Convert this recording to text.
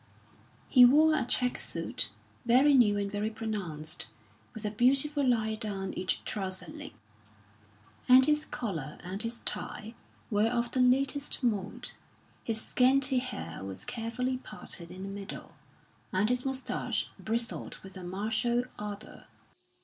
He wore a check suit, very new and very pronounced, with a beautiful line down each trouser leg; and his collar and his tie were of the latest mode. His scanty hair was carefully parted in the middle, and his moustache bristled with a martial ardour.